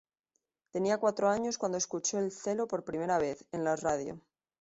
Tenía cuatro años cuando escuchó el cello por primera vez, en la radio.